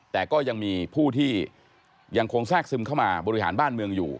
แต่ก็ยังมีผู้ที่ยังคงแทรกซึมเข้ามาบริหารบ้านเมืองอยู่